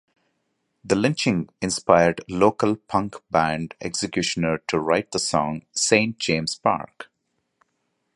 The lynching inspired local punk band Executioner to write the song "Saint James Park".